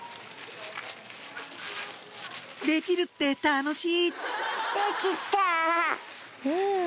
「できるって楽しい！」